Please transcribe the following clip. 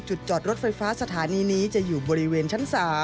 จอดรถไฟฟ้าสถานีนี้จะอยู่บริเวณชั้น๓